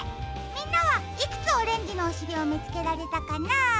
みんなはいくつオレンジのおしりをみつけられたかな？